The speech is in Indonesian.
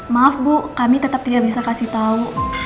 maaf bu kami tetap tidak bisa kasih tahu